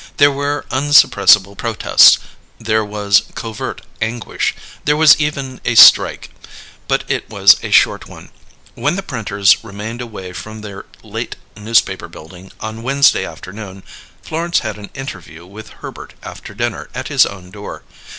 There were unsuppressible protests; there was covert anguish; there was even a strike but it was a short one. When the printers remained away from their late Newspaper Building, on Wednesday afternoon, Florence had an interview with Herbert after dinner at his own door.